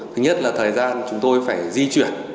thứ nhất là thời gian chúng tôi phải di chuyển